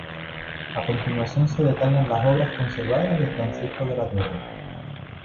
A continuación se detallan las obras conservadas de Francisco de la Torre.